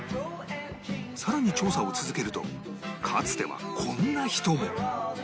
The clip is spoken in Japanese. さらに調査を続けるとかつてはこんな人も